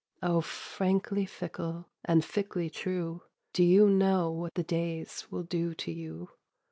"O frankly fickle, and fickly true, Do you know what the days will do to you?